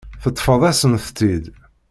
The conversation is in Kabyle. Teṭṭfeḍ-asent-tt-id.